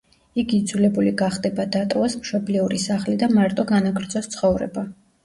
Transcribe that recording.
იგი იძულებული გახდება დატოვოს მშობლიური სახლი და მარტო განაგრძოს ცხოვრება.